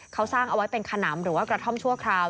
เขาสร้างเอาไว้เป็นขนำหรือว่ากระท่อมชั่วคราว